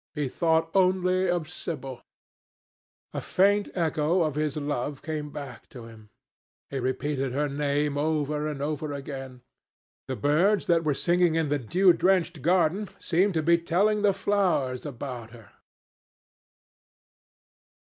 He thought only of Sibyl. A faint echo of his love came back to him. He repeated her name over and over again. The birds that were singing in the dew drenched garden seemed to be telling the flowers about her.